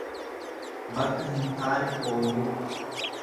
Bakka hin taane ooluu.